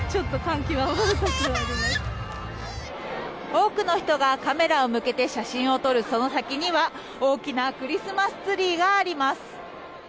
多くの人がカメラを向けて写真を撮るその先には大きなクリスマスツリーがあります。